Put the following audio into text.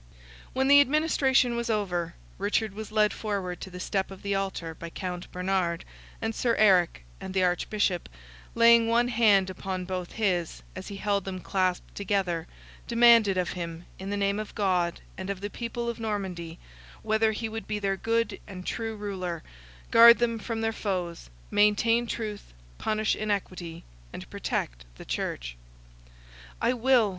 When the administration was over, Richard was led forward to the step of the Altar by Count Bernard, and Sir Eric, and the Archbishop, laying one hand upon both his, as he held them clasped together, demanded of him, in the name of God, and of the people of Normandy, whether he would be their good and true ruler, guard them from their foes, maintain truth, punish iniquity, and protect the Church. "I will!"